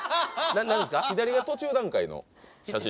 左が途中段階の写真？